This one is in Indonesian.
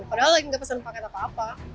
padahal lagi nggak pesen paket apa apa